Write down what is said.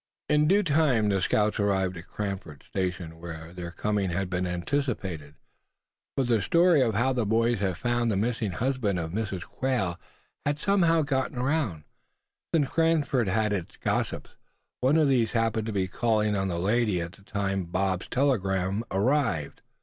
In due time the scouts arrived at Cranford station, where their coming had been anticipated; for the story of how the boys had found the missing husband of Mrs. Quail had somehow gotten around, since Cranford had its gossips. One of these happened to be calling on the lady at the time Bob's telegram arrived.